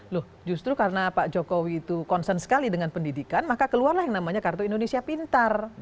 loh justru karena pak jokowi itu concern sekali dengan pendidikan maka keluarlah yang namanya kartu indonesia pintar